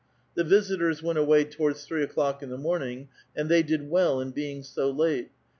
The visitors went away towards three o'clock in the mom ng, and they did well in being so late.